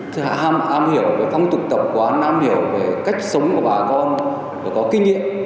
thế hạ am hiểu không tục tập quá am hiểu về cách sống của bà con có kinh nghiệm